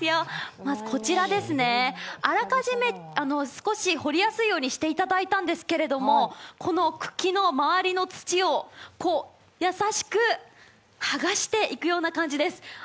まずこちら、あらかじめ、少し掘りやすいようにしていただいたんですけれども、この茎の周りの土を優しく剥がしていくような感じです。